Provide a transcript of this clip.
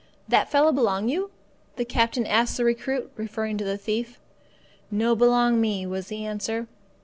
"That fella belong you?" the captain asked the recruit, referring to the thief. "No belong me," was the answer.